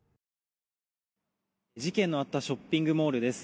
事件のあったショッピングモールです。